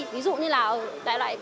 ví dụ như là